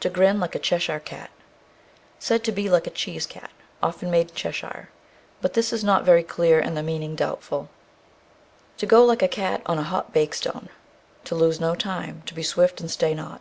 To grin like a Cheshire cat. Said to be like a cheese cat, often made in Cheshire; but this is not very clear, and the meaning doubtful. To go like a cat on a hot bake stone. To lose no time. To be swift and stay not.